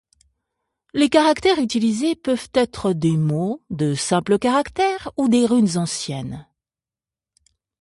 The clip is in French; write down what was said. Les caractères utilisés peuvent être des mots, de simples caractères ou des runes anciennes.